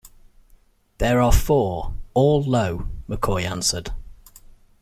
There are four, all low, McCoy answered.